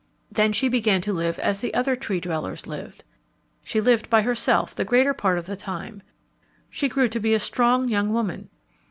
Then she began to live as the other Tree dwellers lived. She lived by herself the greater part of the time. She grew to be a strong young woman.